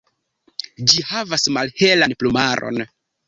Ĝi havas malhelan plumaron.